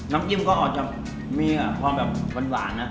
จิ้มก็ออกจากมีความแบบหวานนะ